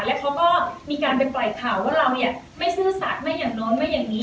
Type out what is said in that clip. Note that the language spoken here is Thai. แล้วเขาก็มีการไปปล่อยข่าวว่าเราเนี่ยไม่ซื่อสัตว์ไม่อย่างโน้นไม่อย่างนี้